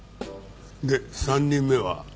で３人目は？